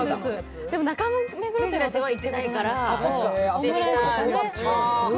でも中目黒店は行ったことないから。